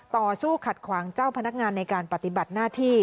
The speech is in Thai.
ต่อสู้ขัดขวางเจ้าพนักงานในการปฏิบัติหน้าที่